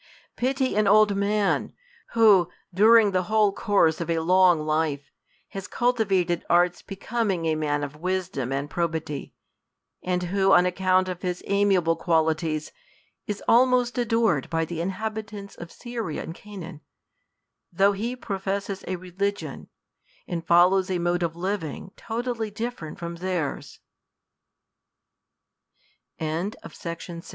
Pity an old man, v/ho, during the whole course of a long life, has culti vated arts becoming a man of wisdom and probity, ami who, on account of his amiable qualities, is almos' adored by the inhabitants of Syria and Canaan, though he j>fofesscs a religion, and follows a mode of living